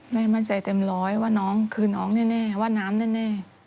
แม่มั่นใจเต็มร้อยว่าน้องคือน้องแน่ว่าน้ำแน่